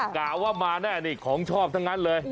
กล่าวว่ามาแน่นี่ของชอบทั้งนั้นเลย